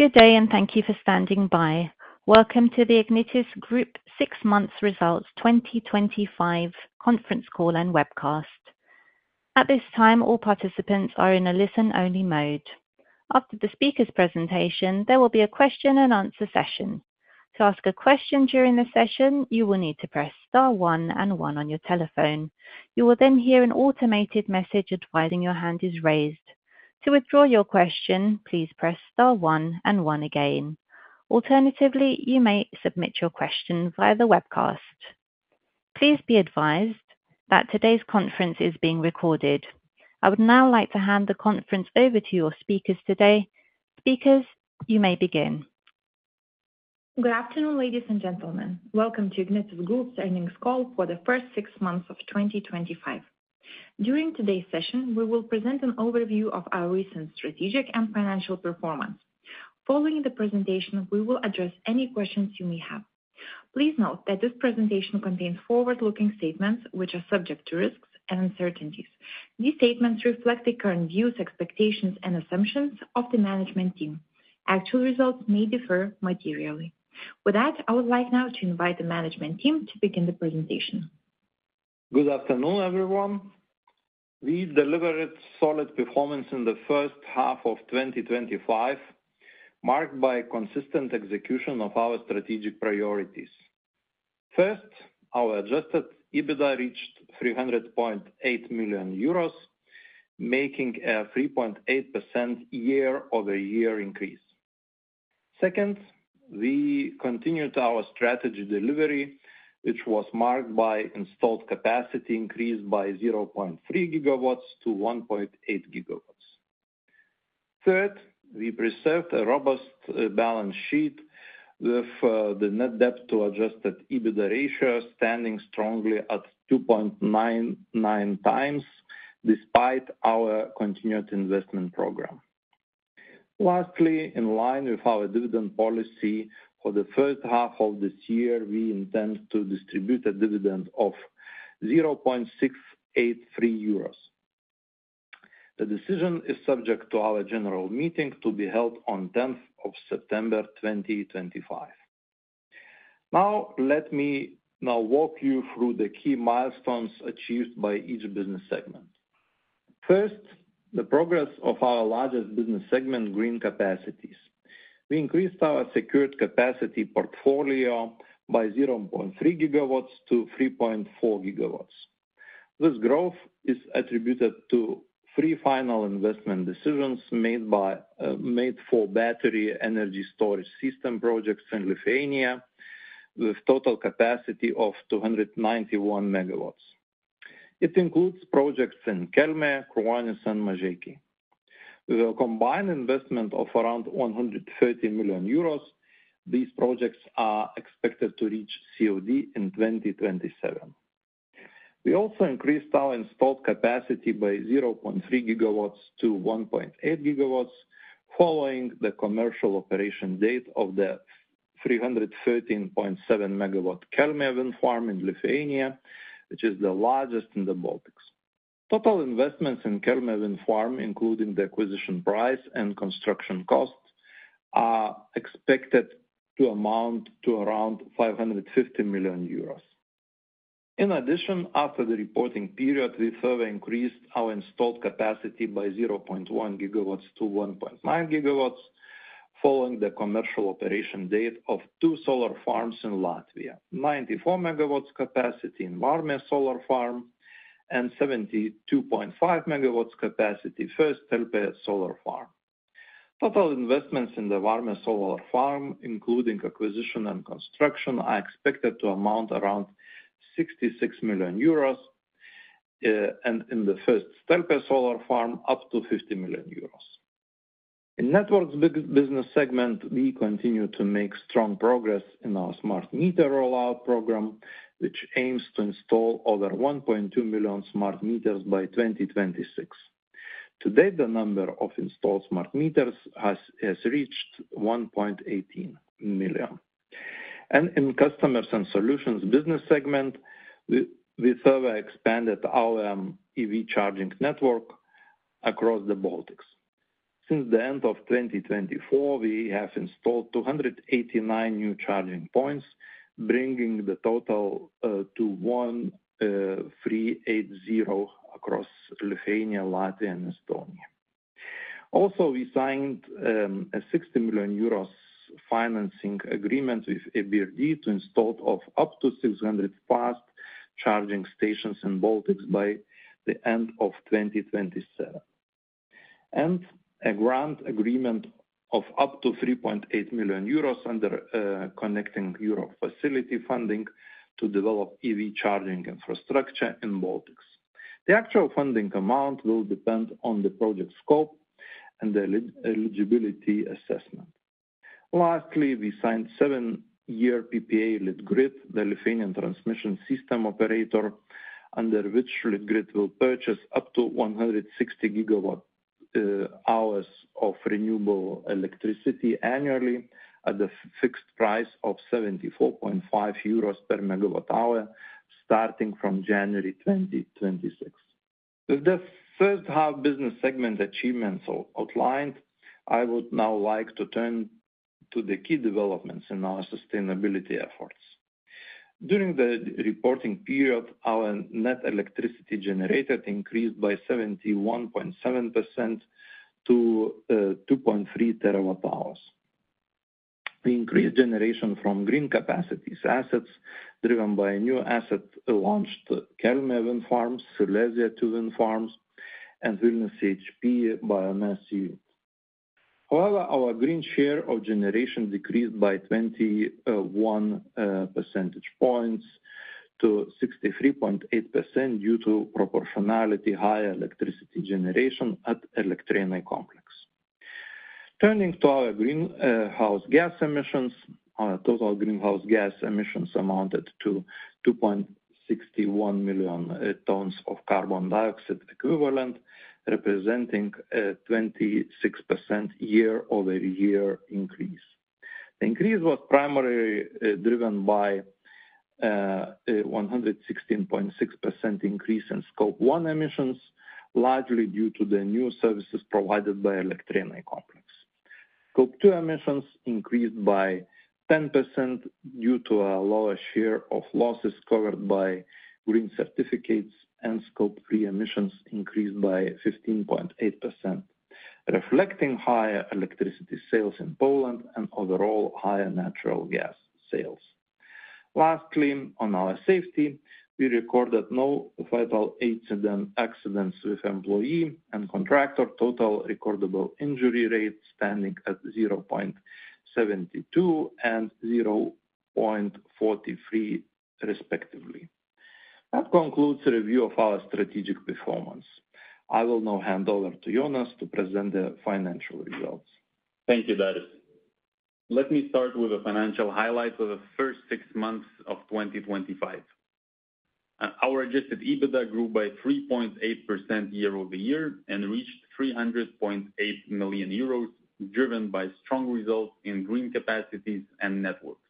Good day and thank you for standing by. Welcome to the Ignitis Grupė Six Months Results 2025 Conference Call and Webcast. At this time, all participants are in a listen-only mode. After the speaker's presentation, there will be a question and answer session. To ask a question during the session, you will need to press star one and one on your telephone. You will then hear an automated message advising your hand is raised. To withdraw your question, please press star one and one again. Alternatively, you may submit your question via the webcast. Please be advised that today's conference is being recorded. I would now like to hand the conference over to your speakers today. Speakers, you may begin. Good afternoon, ladies and gentlemen. Welcome to Ignitis Grupė's Earnings Call for the First Six Months of 2025. During today's session, we will present an overview of our recent strategic and financial performance. Following the presentation, we will address any questions you may have. Please note that this presentation contains forward-looking statements, which are subject to risks and uncertainties. These statements reflect the current views, expectations, and assumptions of the management team. Actual results may differ materially. With that, I would like now to invite the management team to begin the presentation. Good afternoon, everyone. We delivered solid performance in the first half of 2025, marked by consistent execution of our strategic priorities. First, our adjusted EBITDA reached 300.8 million euros, making a 3.8% year-over-year increase. Second, we continued our strategy delivery, which was marked by installed capacity increased by 0.3 GW to 1.8 GW. Third, we preserved a robust balance sheet with the net debt-to-adjusted EBITDA ratio standing strongly at 2.99x, despite our continued investment program. Lastly, in line with our dividend policy for the third half of this year, we intend to distribute a dividend of 0.683 euros. The decision is subject to our general meeting to be held on 10th of September 2025. Now, let me walk you through the key milestones achieved by each business segment. First, the progress of our largest business segment, Green Capacities. We increased our secured capacity portfolio by 0.3 GW to 3.4 GW. This growth is attributed to pre-final investment decisions made for battery energy storage system projects in Lithuania, with a total capacity of 291 MW. It includes projects in Kelmė, Kruonis, and Mažeikiai. With a combined investment of around 130 million euros, these projects are expected to reach COD in 2027. We also increased our installed capacity by 0.3 GW to 1.8 GW, following the commercial operation date of the 313.7 MW Kelmė wind farm in Lithuania, which is the largest in the Baltics. Total investments in Kelmė wind farm, including the acquisition price and construction costs, are expected to amount to around 550 million euros. In addition, after the reporting period, we further increased our installed capacity by 0.1 GW to 1.9 GW, following the commercial operation date of two solar farms in Latvia: 94 MW capacity in Vārme solar farm and 72.5 MW capacity in Stelpe solar farm. Total investments in the Vārme solar farm, including acquisition and construction, are expected to amount around 66 million euros, and in the Stelpe solar farm, up to 50 million euros. In the Networks business segment, we continue to make strong progress in our smart meter rollout program, which aims to install over 1.2 million smart meters by 2026. To date, the number of installed smart meters has reached 1.18 million. In the customers and solutions business segment, we further expanded our EV charging Networks across the Baltics. Since the end of 2024, we have installed 289 new charging points, bringing the total to 1,380 across Lithuania, Latvia, and Estonia. We signed a 60 million euros financing agreement with EBRD to install up to 600 fast charging stations in the Baltics by the end of 2027. A grant agreement of up to 3.8 million euros under Connecting Europe Facility funding was signed to develop EV charging infrastructure in the Baltics. The actual funding amount will depend on the project scope and the eligibility assessment. Lastly, we signed a seven-year PPA with Litgrid, the Lithuanian transmission system operator, under which Litgrid will purchase up to 160 GWh of renewable electricity annually at a fixed price of 74.5 euros per MWh, starting from January 2026. With the first half business segment achievements outlined, I would now like to turn to the key developments in our sustainability efforts. During the reporting period, our net electricity generated increased by 71.7% to 2.3 TWh. We increased generation from Green Capacities assets driven by new asset launched: Kelmė wind farms, Silesia 2 wind farms, and Vilnius CHP Biomass Unit. However, our green share of generation decreased by 21 percentage points to 63.8% due to proportionally high electricity generation at Elektrėnai Complex. Turning to our greenhouse gas emissions, our total greenhouse gas emissions amounted to 2.61 million tons of carbon dioxide equivalent, representing a 26% year-over-year increase. The increase was primarily driven by a 116.6% increase in Scope 1 emissions, largely due to the new services provided by Elektrėnai Complex. Scope 2 emissions increased by 10% due to a lower share of losses covered by green certificates, and Scope 3 emissions increased by 15.8%, reflecting higher electricity sales in Poland and overall higher natural gas sales. Lastly, on our safety, we recorded no vital accidents with employee and contractor, total recordable injury rate spanning at 0.72 and 0.43, respectively. That concludes the review of our strategic performance. I will now hand over to Jonas to present the financial results. Thank you, Darius. Let me start with the financial highlights for the first six months of 2025. Our adjusted EBITDA grew by 3.8% year-over-year and reached 300.8 million euros, driven by strong results Green Capacities and Networks.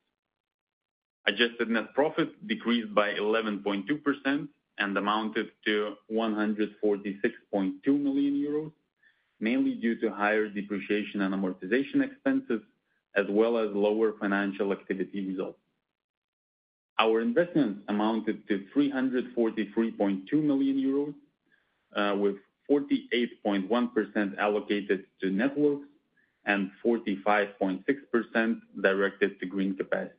adjusted net profit decreased by 11.2% and amounted to 146.2 million euros, mainly due to higher depreciation and amortization expenses, as well as lower financial activity results. Our investments amounted to 343.2 million euros, with 48.1% allocated to Networks and 45.6% directed to Green Capacities.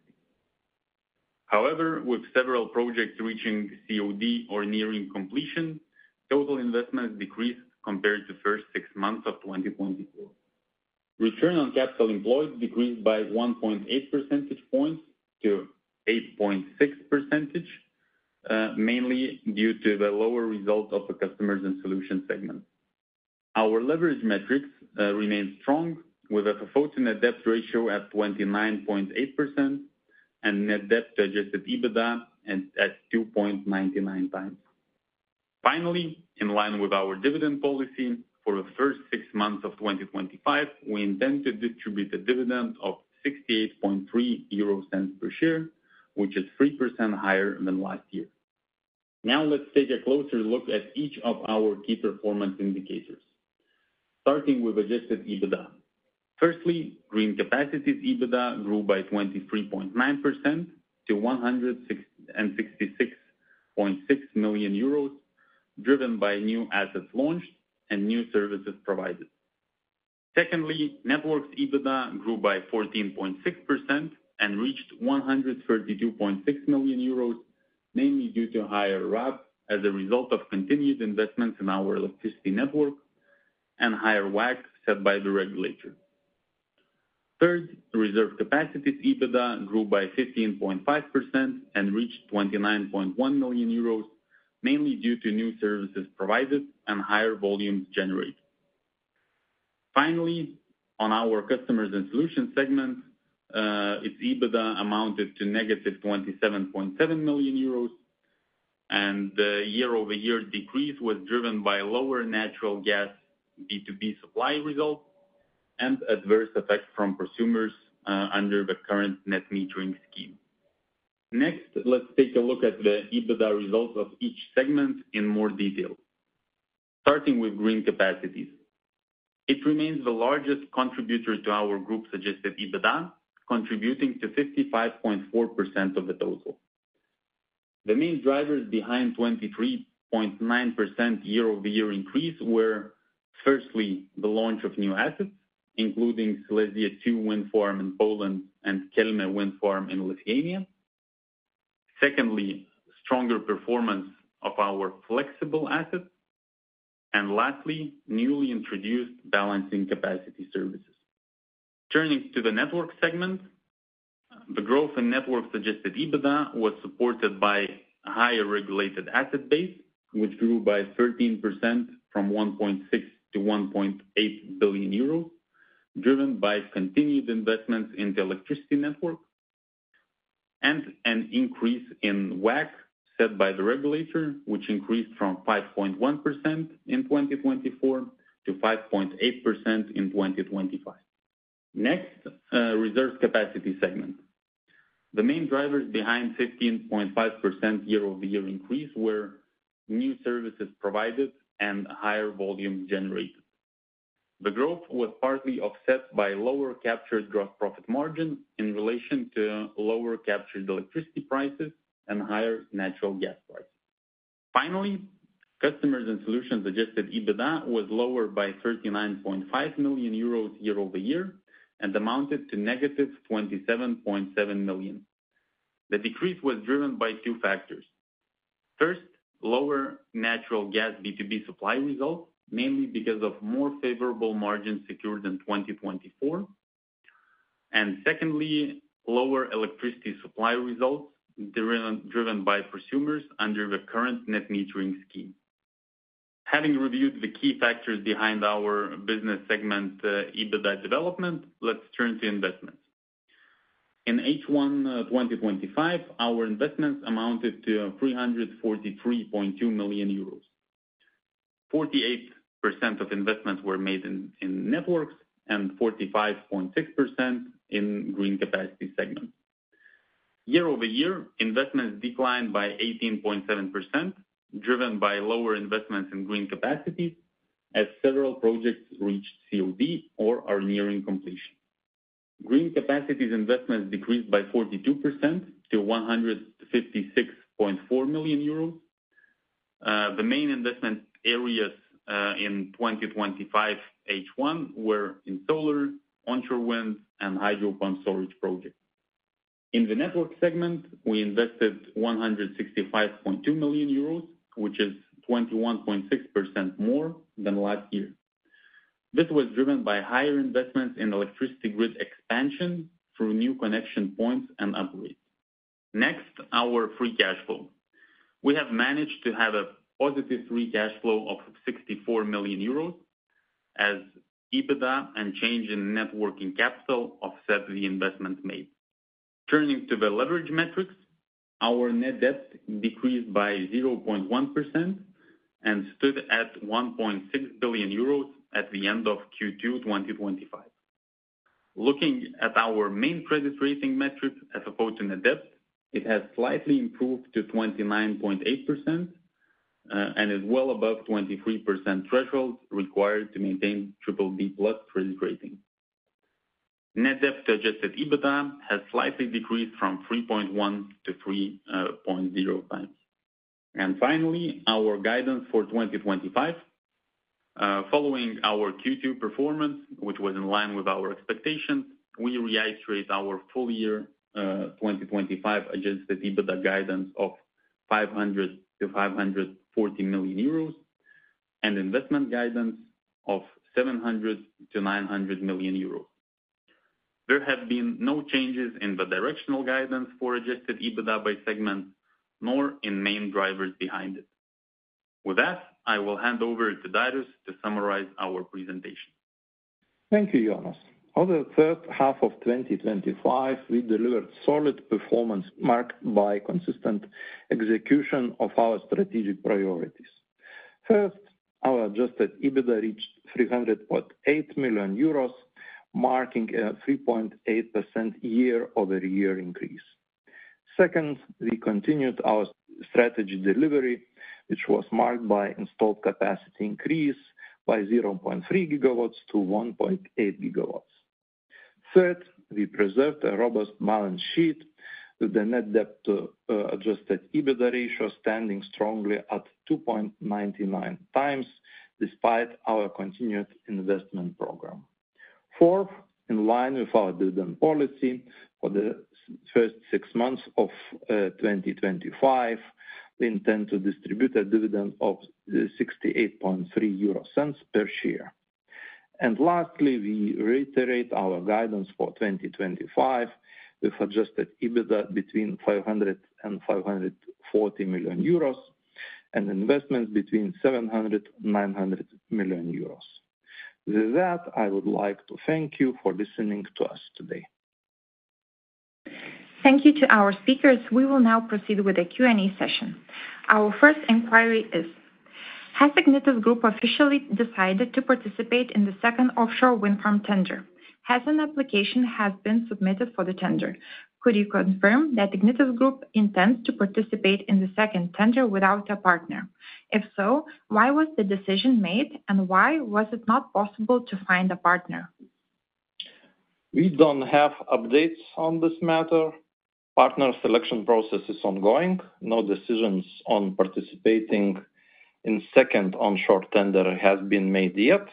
However, with several projects reaching commercial operation or nearing completion, total investments decreased compared to the first six months of 2024. Return on capital employed decreased by 1.8 percentage points to 8.6%, mainly due to the lower result of the customers and solutions segment. Our leverage metrics remained strong, with a forecasted net debt ratio at 29.8% and net debt-to-adjusted EBITDA at 2.99x. Finally, in line with our dividend policy for the first six months of 2025, we intend to distribute a dividend of 68.3 euro per share, which is 3% higher than last year. Now, let's take a closer look at each of our key performance indicators, starting with adjusted EBITDA. Firstly, Green Capacities EBITDA grew by 23.9% to 166.6 million euros, driven by new assets launched and new services provided. Secondly, Networks' EBITDA grew by 14.6% and reached 132.6 million euros, mainly due to higher regulated asset base as a result of continued investments in our electricity network and higher WACC set by the regulator. Third, Reserve Capacities EBITDA grew by 15.5% and reached 29.1 million euros, mainly due to new services provided and higher volumes generated. Finally, on our Customers and Solutions segment, its EBITDA amounted to 27.7 million euros, and the year-over-year decrease was driven by lower natural gas B2B supply results and adverse effects from consumers under the current net metering scheme. Next, let's take a look at the EBITDA results of each segment in more detail. Starting with Green Capacities, it remains the largest contributor to our group's adjusted EBITDA, contributing to 55.4% of the total. The main drivers behind the 23.9% year-over-year increase were, firstly, the launch of new assets, including Silesia 2 wind farm in Poland and Kelmė wind farm in Lithuania. Secondly, stronger performance of our flexible assets, and lastly, newly introduced balancing capacity services. Turning to the Networks segment, the growth in Networks-adjusted EBITDA was supported by a higher regulated asset base, which grew by 13% from 1.6 billion to 1.8 billion euros, driven by continued investments in the electricity network and an increase in WACC set by the regulator, which increased from 5.1% in 2024 to 5.8% in 2025. Next, reserve capacity segment. The main drivers behind the 15.5% year-over-year increase were new services provided and higher volumes generated. The growth was partly offset by lower captured gross profit margin in relation to lower captured electricity prices and higher natural gas prices. Finally, customers and solutions adjusted EBITDA was lowered by 39.5 million euros year-over-year and amounted to -27.7 million. The decrease was driven by two factors. First, lower natural gas B2B supply results, mainly because of more favorable margins secured in 2024. Secondly, lower electricity supply results, driven by consumers under the current net metering scheme. Having reviewed the key factors behind our business segment EBITDA development, let's turn to investments. In H1 2025, our investments amounted to 343.2 million euros. 48% of investments were made in Networks and 45.6% in the Green Capacities segment. Year-over-year, investments declined by 18.7%, driven by lower investments in Green Capacities as several projects reached COD or are nearing completion. Green Capacities investments decreased by 42% to 156.4 million euros. The main investment areas in 2025 H1 were in solar, onshore wind, and hydropump storage projects. In the Networks segment, we invested 165.2 million euros, which is 21.6% more than last year. This was driven by higher investments in electricity grid expansion through new connection points and upgrades. Next, our free cash flow. We have managed to have a positive free cash flow of 64 million euros, as EBITDA and change in networking capital offset the investments made. Turning to the leverage metrics, our net debt decreased by 0.1% and stood at 1.6 billion euros at the end of Q2 2025. Looking at our main credit rating metrics as opposed to net debt, it has slightly improved to 29.8% and is well above the 23% threshold required to maintain AAA+ credit rating. Net debt-to-adjusted EBITDA has slightly decreased from 3.1x to 3.0x. Finally, our guidance for 2025. Following our Q2 performance, which was in line with our expectations, we reiterate our full-year 2025 adjusted EBITDA guidance of 500 million-540 million euros and investment guidance of 700 million-900 million euros. There have been no changes in the directional guidance for adjusted EBITDA by segment, nor in main drivers behind it. With that, I will hand over to Darius to summarize our presentation. Thank you, Jonas. On the third half of 2025, we delivered solid performance marked by consistent execution of our strategic priorities. First, our adjusted EBITDA reached 308.8 million euros, marking a 3.8% year-over-year increase. Second, we continued our strategy delivery, which was marked by installed capacity increase by 0.3 GW to 1.8 GW. Third, we preserved a robust balance sheet with a net debt-to-adjusted EBITDA ratio standing strongly at 2.99x, despite our continued investment program. Fourth, in line with our dividend policy for the first six months of 2025, we intend to distribute a dividend of 68.3 million euro per share. Lastly, we reiterate our guidance for 2025 with adjusted EBITDA between 500 million euros and 540 million euros and investments between 700 million euros and 900 million euros. With that, I would like to thank you for listening to us today. Thank you to our speakers. We will now proceed with the Q&A session. Our first inquiry is, has Ignitis Grupė officially decided to participate in the second offshore wind tender? Has an application been submitted for the tender? Could you confirm that Ignitis Grupė intends to participate in the second tender without a partner? If so, why was the decision made and why was it not possible to find a partner? We don't have updates on this matter. Partner selection process is ongoing. No decisions on participating in the second onshore tender have been made yet.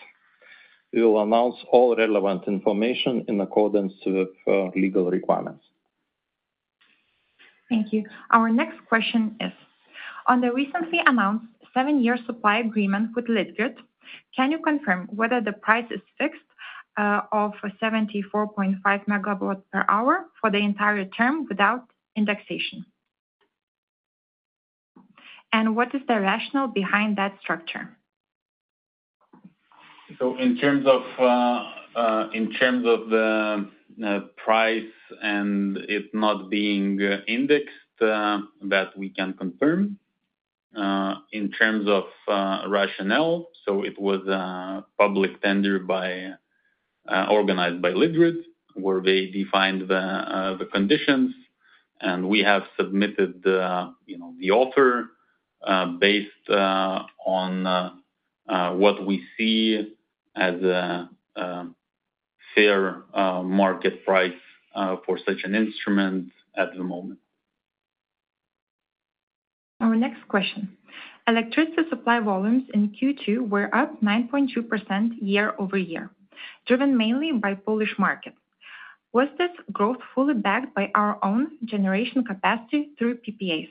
We will announce all relevant information in accordance with legal requirements. Thank you. Our next question is, on the recently announced seven-year supply agreement with Litgrid, can you confirm whether the price is fixed at 74.5 per MWh for the entire term without indexation? What is the rationale behind that structure? In terms of the price and it not being indexed, that we can confirm. In terms of rationale, it was a public tender organized by Litgrid, where they defined the conditions, and we have submitted the offer based on what we see as a fair market price for such an instrument at the moment. Our next question, electricity supply volumes in Q2 were up 9.2% year-over-year, driven mainly by Polish markets. Was this growth fully backed by our own generation capacity through PPAs?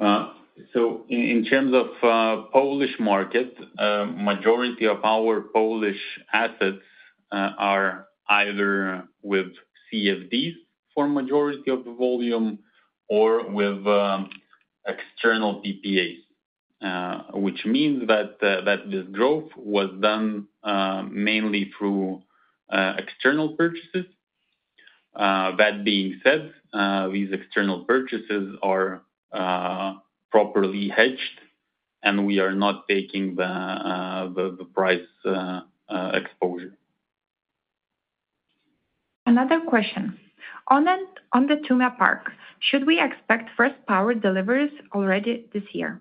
In terms of the Polish market, the majority of our Polish assets are either with CFDs for the majority of the volume or with external PPAs, which means that this growth was done mainly through external purchases. That being said, these external purchases are properly hedged and we are not taking the price exposure. Another question, on the Tume solar farm, should we expect first power deliveries already this year?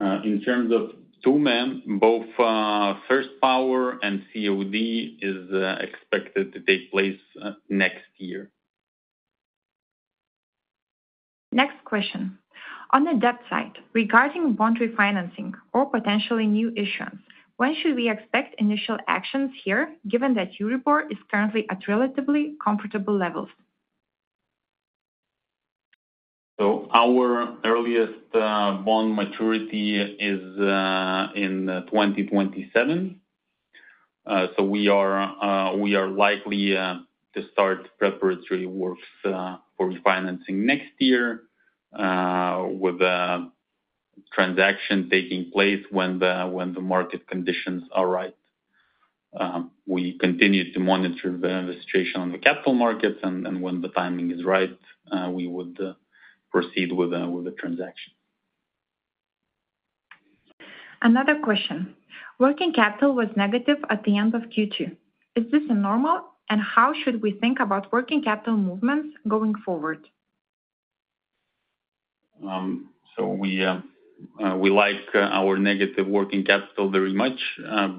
In terms of Tume, both first power and COD is expected to take place next year. Next question, on the debt side regarding bond refinancing or potentially new issuance, when should we expect initial actions here given that your report is currently at relatively comfortable levels? Our earliest bond maturity is in 2027. We are likely to start preparatory works for refinancing next year, with a transaction taking place when the market conditions are right. We continue to monitor the situation on the capital markets, and when the timing is right, we would proceed with a transaction. Another question, working capital was negative at the end of Q2. Is this normal, and how should we think about working capital movements going forward? We like our negative working capital very much,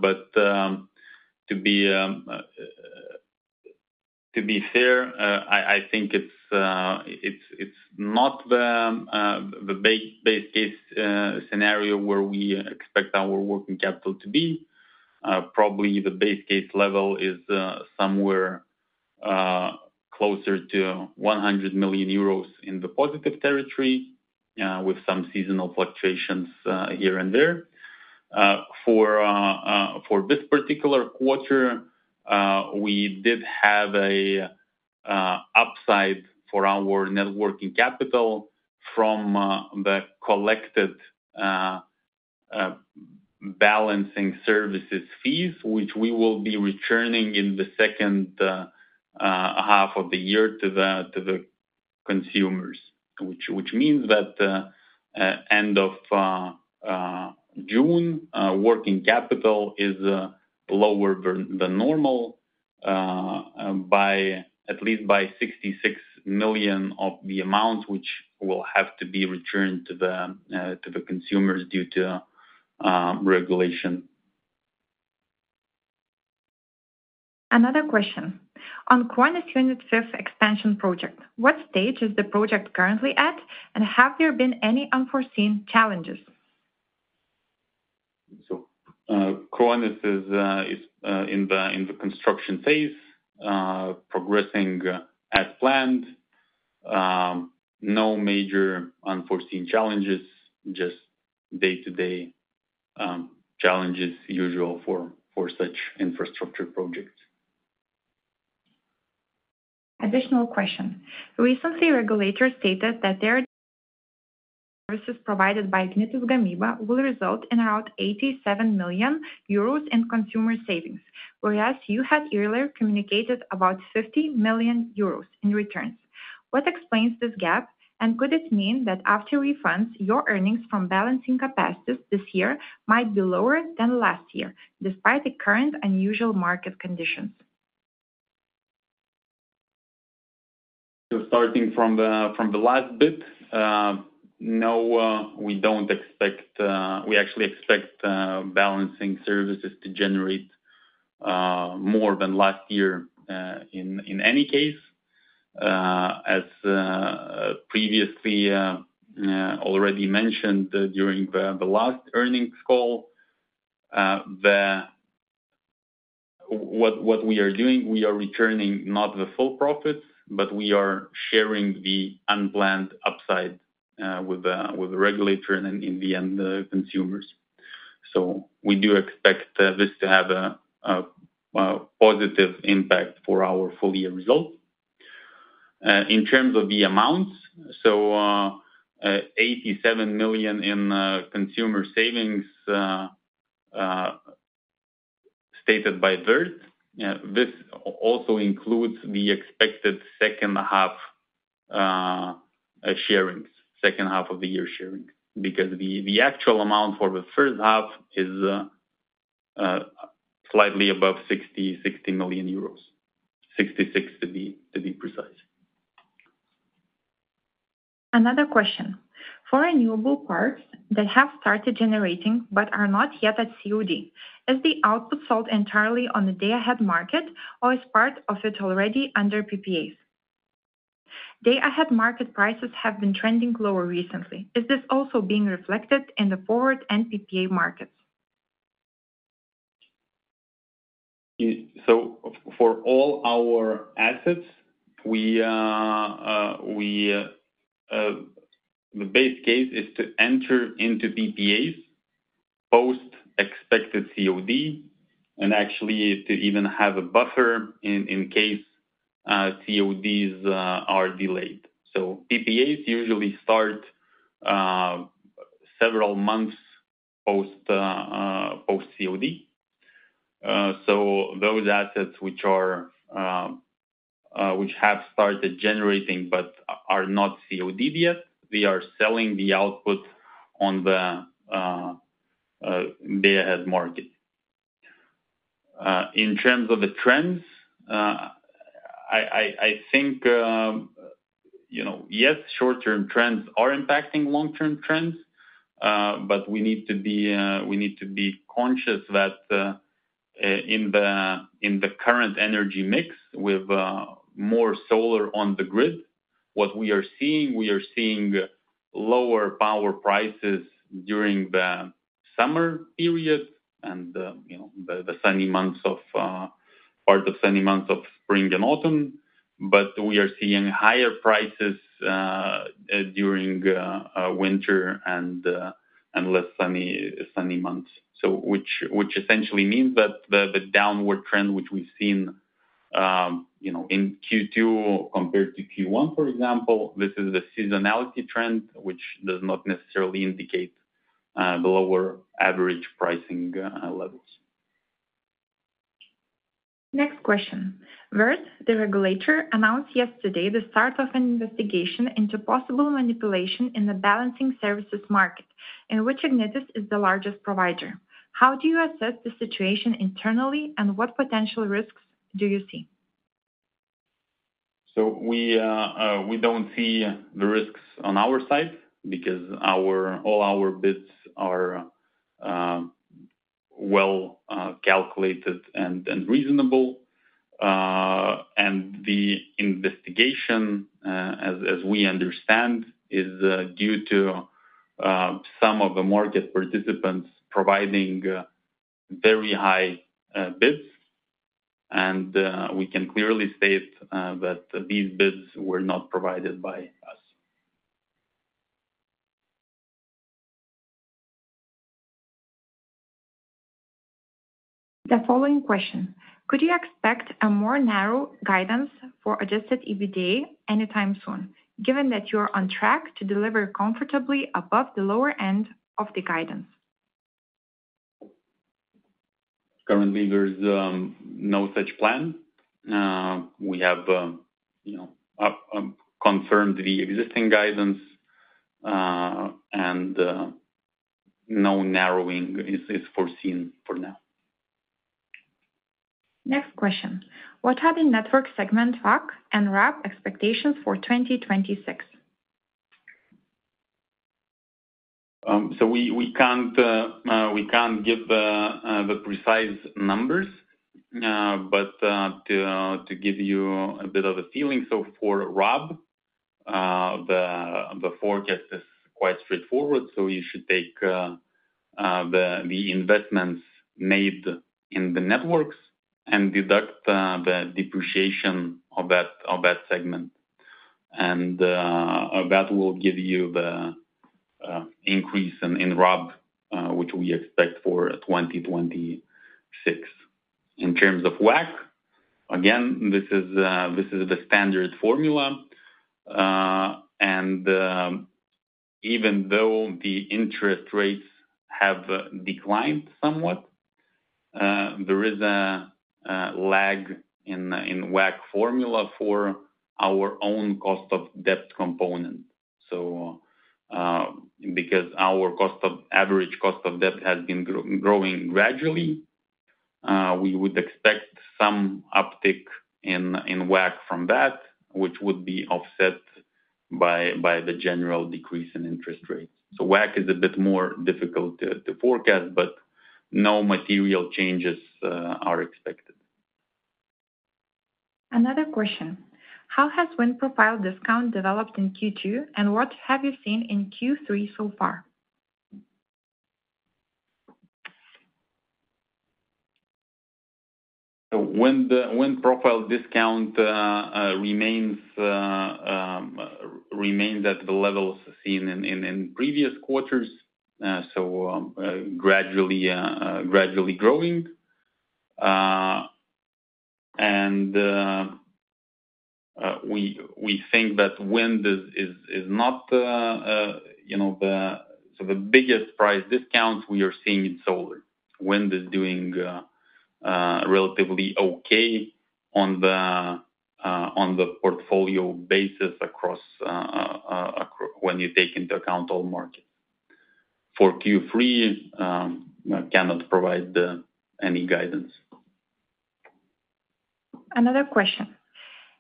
but to be fair, I think it's not the base case scenario where we expect our working capital to be. Probably the base case level is somewhere closer to 100 million euros in the positive territory with some seasonal fluctuations here and there. For this particular quarter, we did have an upside for our working capital from the collected balancing services fees, which we will be returning in the second half of the year to the consumers, which means that at the end of June, working capital is lower than normal by at least 66 million of the amounts which will have to be returned to the consumers due to regulation. Another question, on Kruonis unit 5 expansion project, what stage is the project currently at, and have there been any unforeseen challenges? Kruonis is in the construction phase, progressing as planned. No major unforeseen challenges, just day-to-day challenges usual for such infrastructure projects. Additional question, the resource regulator stated that their services provided by Ignitis Gamyba will result in around 87 million euros in consumer savings, whereas you had earlier communicated about 50 million euros in returns. What explains this gap, and could it mean that after refunds, your earnings from balancing capacities this year might be lower than last year despite the current unusual market conditions? Starting from the last bit, no, we don't expect, we actually expect balancing services to generate more than last year in any case. As previously already mentioned during the last earnings call, what we are doing, we are returning not the full profits, but we are sharing the unplanned upside with the regulator and in the end consumers. We do expect this to have a positive impact for our full-year result. In terms of the amounts, EUR 87 million in consumer savings stated by VERT. This also includes the expected second half sharing, second half of the year sharing, because the actual amount for the first half is slightly above 60 million euros, 66 million to be precise. Another question, for renewable parts that have started generating but are not yet at COD, is the output sold entirely on the day-ahead market, or is part of it already under PPAs? Day-ahead market prices have been trending lower recently. Is this also being reflected in the forward and PPA markets? For all our assets, the base case is to enter into PPAs post expected COD and actually to even have a buffer in case CODs are delayed. PPAs usually start several months post-COD. Those assets which have started generating but are not COD'd yet, we are selling the output on the day-ahead market. In terms of the trends, yes, short-term trends are impacting long-term trends, but we need to be conscious that in the current energy mix with more solar on the grid, what we are seeing is lower power prices during the summer period and the sunny months of spring and autumn, but we are seeing higher prices during winter and less sunny months. This essentially means that the downward trend which we've seen in Q2 compared to Q1, for example, is the seasonality trend which does not necessarily indicate the lower average pricing levels. Next question, VERT, the regulator announced yesterday the start of an investigation into possible manipulation in the balancing services market in Ignitis is the largest provider. How do you assess the situation internally and what potential risks do you see? We don't see the risks on our side because all our bids are well calculated and reasonable. The investigation, as we understand, is due to some of the market participants providing very high bids. We can clearly state that these bids were not provided by us. The following question, could you expect a more narrow guidance for adjusted EBITDA anytime soon, given that you're on track to deliver comfortably above the lower end of the guidance? Currently, there's no such plan. We have confirmed the existing guidance, and no narrowing is foreseen for now. Next question, what are the Networks segment WACC and RAB expectations for 2026? We can't give the precise numbers, but to give you a bit of a feeling, for regulated asset base, the forecast is quite straightforward. You should take the investments made in the Networks and deduct the depreciation of that segment. That will give you the increase in RAB, which we expect for 2026. In terms of WACC, this is the standard formula. Even though the interest rates have declined somewhat, there is a lag in the WACC formula for our own cost of debt component. Because our average cost of debt has been growing gradually, we would expect some uptick in WACC from that, which would be offset by the general decrease in interest rate. WACC is a bit more difficult to forecast, but no material changes are expected. Another question, how has wind profile discount developed in Q2, and what have you seen in Q3 so far? Wind profile discount remains at the levels seen in previous quarters, gradually growing. We think that wind is not the biggest price discounts we are seeing in solar. Wind is doing relatively okay on the portfolio basis when you take into account all markets. For Q3, I cannot provide any guidance. Another question,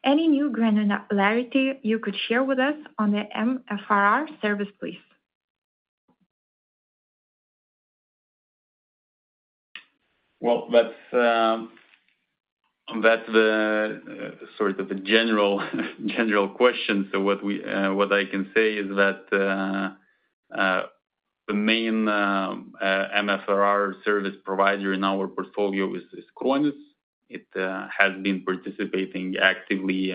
any new granularity you could share with us on the mFRR service, please? The main mFRR service provider in our portfolio is Kruonis. It has been participating actively,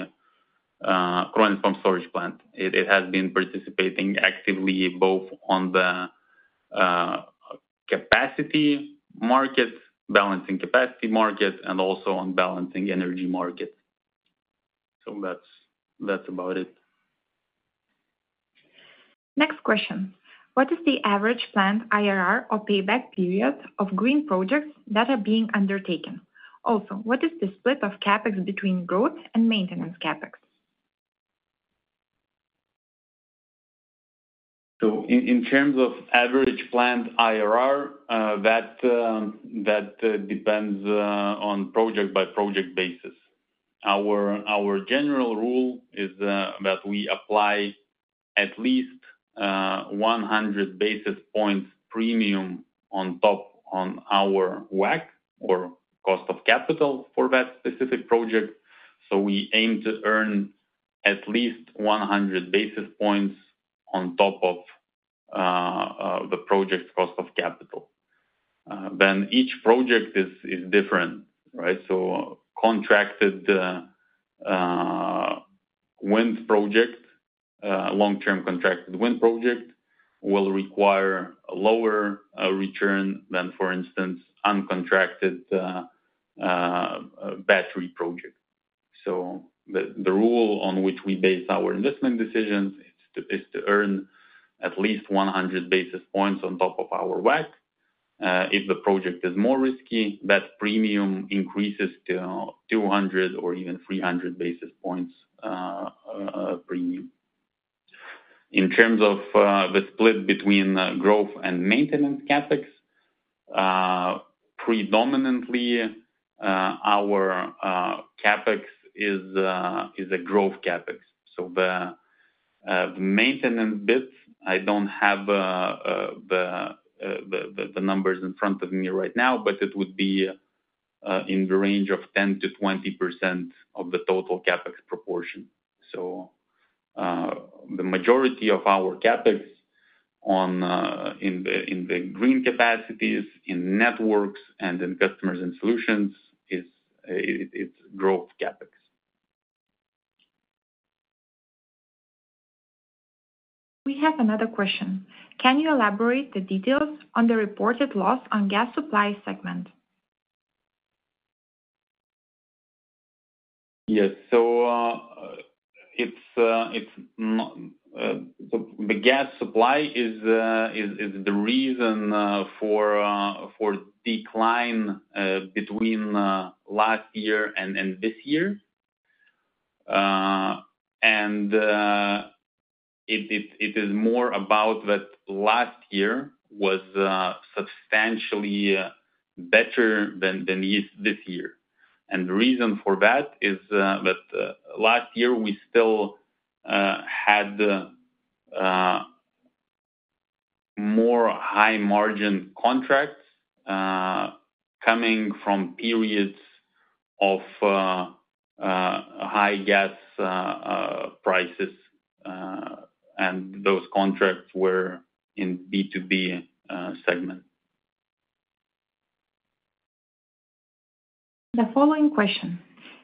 Kruonis pump storage plant. It has been participating actively both on the capacity market, balancing capacity market, and also on the balancing energy market. That's about it. Next question, what is the average planned IRR or payback period of green projects that are being undertaken? Also, what is the split of CapEx between growth and maintenance CapEx? In terms of average planned IRR, that depends on a project-by-project basis. Our general rule is that we apply at least 100 basis points premium on top of our WACC or cost of capital for that specific project. We aim to earn at least 100 basis points on top of the project's cost of capital. Each project is different, right? A contracted wind project, a long-term contracted wind project will require a lower return than, for instance, an uncontracted battery project. The rule on which we base our investment decisions is to earn at least 100 basis points on top of our WACC. If the project is more risky, that premium increases to 200 basis points or even 300 basis points premium. In terms of the split between growth and maintenance CapEx, predominantly our CapEx is a growth CapEx. The maintenance bit, I don't have the numbers in front of me right now, but it would be in the range of 10%-20% of the total CapEx proportion. The majority of our CapEx in the Green Capacities, in Networks, and in customers and solutions is growth CapEx. We have another question. Can you elaborate the details on the reported loss on gas supply segment? Yes. The gas supply is the reason for the decline between last year and this year. It is more about that last year was substantially better than this year. The reason for that is that last year we still had more high-margin contracts coming from periods of high gas prices, and those contracts were in the B2B gas supply segment. The following question,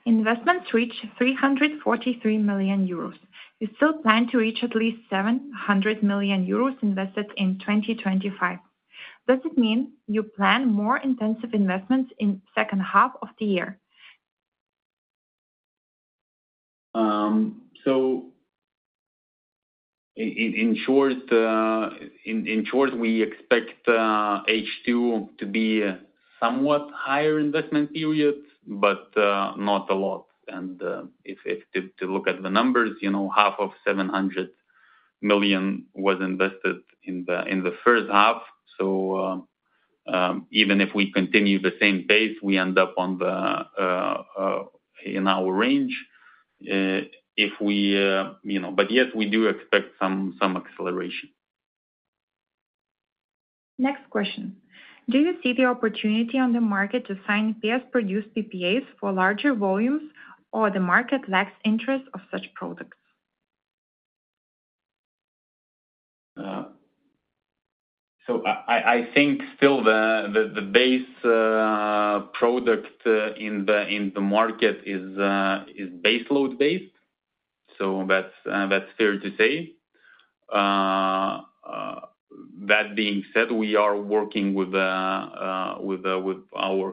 investments reach 343 million euros. You still plan to reach at least 700 million euros invested in 2025. Does it mean you plan more intensive investments in the second half of the year? In short, we expect H2 to be a somewhat higher investment period, but not a lot. If you look at the numbers, half of 700 million was invested in the first half. Even if we continue the same pace, we end up in our range. Yes, we do expect some acceleration. Next question, do you see the opportunity on the market to sign past-produced PPAs for larger volumes, or the market lacks interest of such products? I think still the base product in the market is baseload-based, so that's fair to say. That being said, we are working with our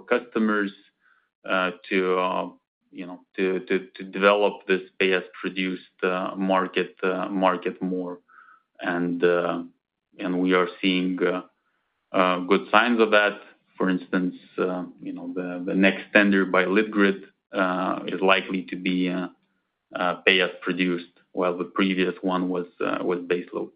customers to develop this pay-as-produced market more, and we are seeing good signs of that. For instance, the next tender by Litgrid is likely to be pay-as-produced, while the previous one was baseload.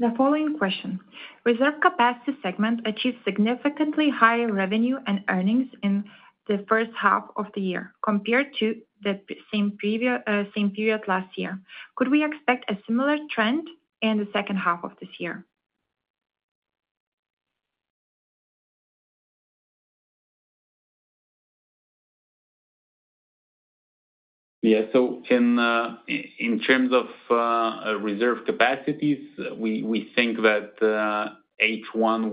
The following question, reserve capacity segment achieves significantly higher revenue and earnings in the first half of the year compared to the same period last year. Could we expect a similar trend in the second half of this year? Yeah. In terms of reserve capacities, we think that H1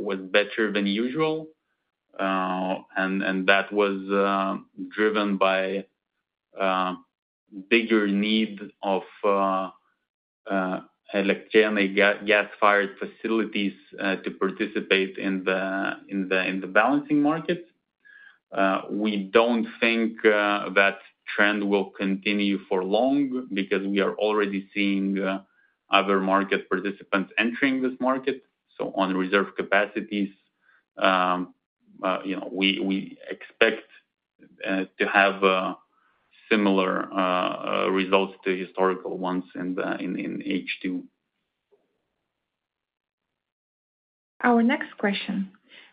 was better than usual. That was driven by a bigger need of electronic gas-fired facilities to participate in the balancing market. We don't think that trend will continue for long because we are already seeing other market participants entering this market. On reserve capacities, we expect to have similar results to historical ones in H2. Our next question,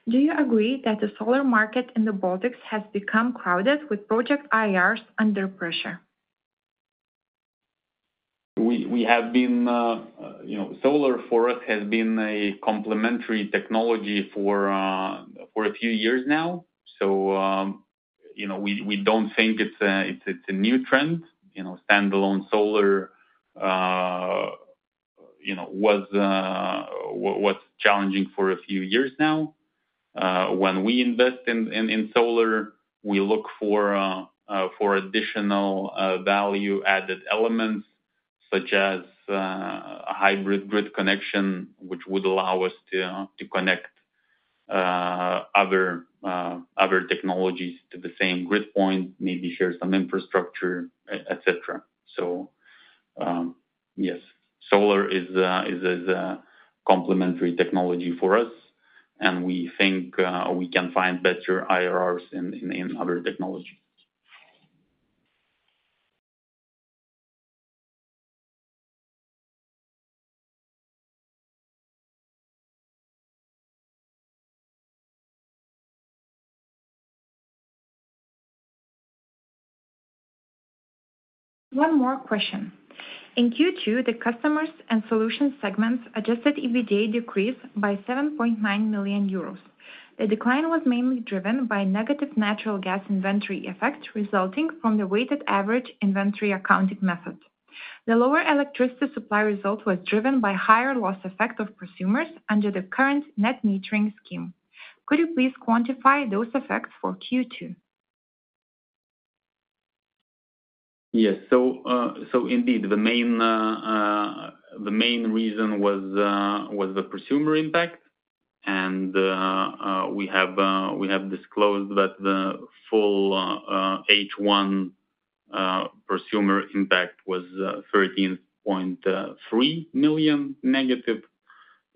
do you agree that the solar market in the Baltics has become crowded with project IRRs under pressure? Solar for us has been a complementary technology for a few years now. We don't think it's a new trend. Standalone solar was challenging for a few years now. When we invest in solar, we look for additional value-added elements, such as a hybrid grid connection, which would allow us to connect other technologies to the same grid point, maybe share some infrastructure, etc. Solar is a complementary technology for us, and we think we can find better IRRs in other technologies. One more question, in Q2, the Customers and Solutions segment's adjusted EBITDA decreased by 7.9 million euros. The decline was mainly driven by negative natural gas inventory effects resulting from the weighted average inventory accounting method. The lower electricity supply result was driven by higher loss effect of consumers under the current net metering scheme. Could you please quantify those effects for Q2? Yes. Indeed, the main reason was the consumer impact. We have disclosed that the full H1 consumer impact was 13.3 million negative.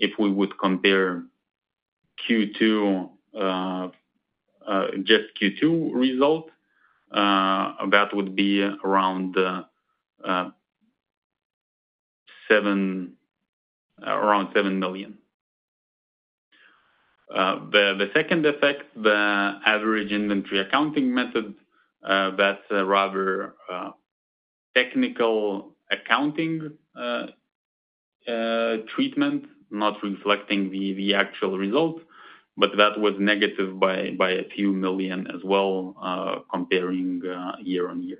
If we would compare just Q2 result, that would be around 7 million. The second effect, the average inventory accounting method, is a rather technical accounting treatment, not reflecting the actual result, but that was negative by a few million as well, comparing year-on-year.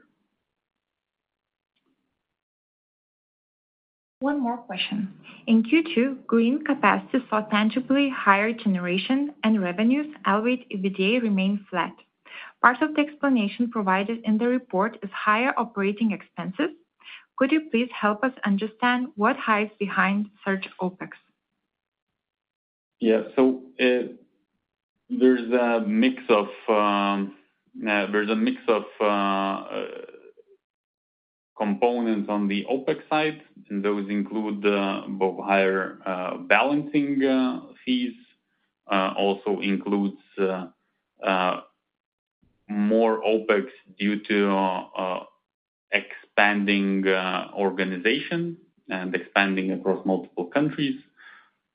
One more question, in Q2, green capacity saw tangibly higher generation and revenues, elevated EBITDA remained flat. Part of the explanation provided in the report is higher operating expenses. Could you please help us understand what hides behind such OpEx? There's a mix of components on the OpEx side, and those include both higher balancing fees. It also includes more OpEx due to expanding organization and expanding across multiple countries.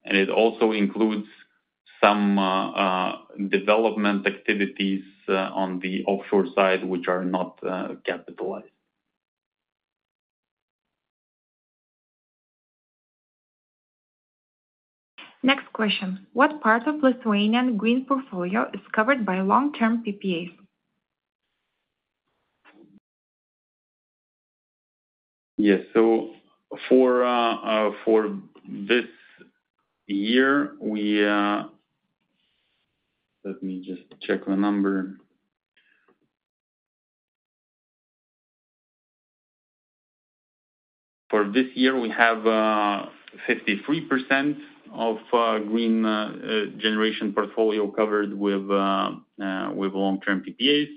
It also includes some development activities on the offshore side, which are not capitalized. Next question, what part of Lithuanian green portfolio is covered by long-term PPAs? Yes. For this year, let me just check the number. For this year, we have 53% of green generation portfolio covered with long-term PPAs.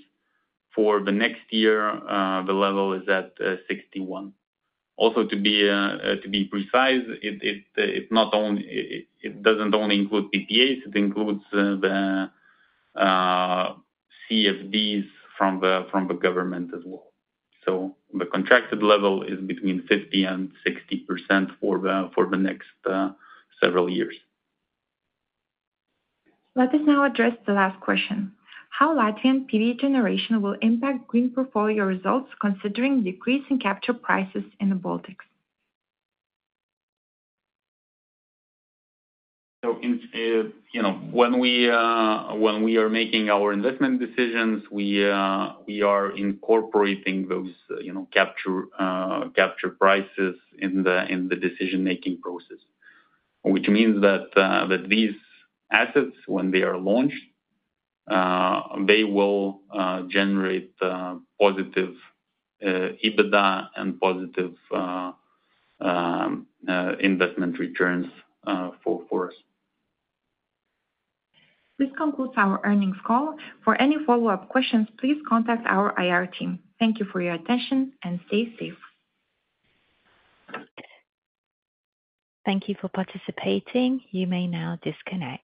For the next year, the level is at 61%. Also, to be precise, it doesn't only include PPAs, it includes the CFDs from the government as well. The contracted level is between 50% and 60% for the next several years. Let us now address the last question. How Latvian PV generation will impact green portfolio results considering decreasing capture prices in the Baltics? When we are making our investment decisions, we are incorporating those capture prices in the decision-making process, which means that these assets, when they are launched, they will generate positive EBITDA and positive investment returns for us. This concludes our earnings call. For any follow-up questions, please contact our IR team. Thank you for your attention and stay safe. Thank you for participating. You may now disconnect.